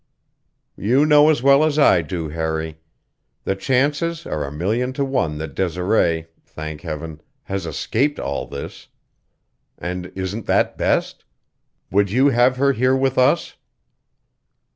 "You know as well as I do, Harry. The chances are a million to one that Desiree thank Heaven has escaped all this! And isn't that best! Would you have her here with us?"